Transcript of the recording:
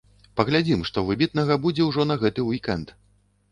Паглядзім, што выбітнага будзе ўжо на гэты ўік-энд.